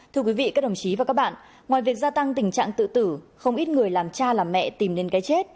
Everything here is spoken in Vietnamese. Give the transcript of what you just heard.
thưa quý vị các đồng chí và các bạn ngoài việc gia tăng tình trạng tự tử không ít người làm cha làm mẹ tìm nên cái chết